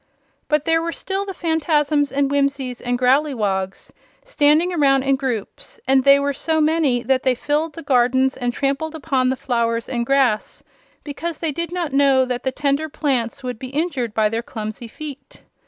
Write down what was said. But there were still the Phanfasms and Whimsies and Growleywogs standing around in groups, and they were so many that they filled the gardens and trampled upon the flowers and grass because they did not know that the tender plants would be injured by their clumsy feet.